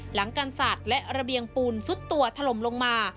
หลังกันศาสตร์และระเบียงปูนซุดตัวถล่มลงมา